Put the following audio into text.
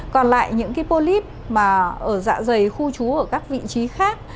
còn lại những cái polyp mà ở dạ dày khu trú ở các vị trí khác